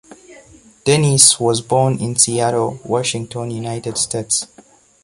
Dennis was born in Seattle, Washington, United States.